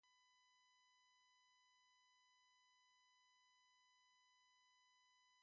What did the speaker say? Medicine-men often dress as women and wear feminine ornaments.